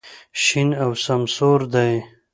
شین او سمسور دی.